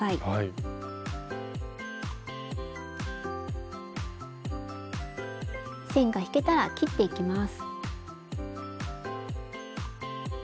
スタジオ線が引けたら切っていきます。